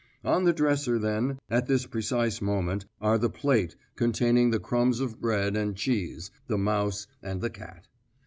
On the dresser, then, at this precise moment, are the plate containing the crumbs of bread and cheese, the mouse, and the cat.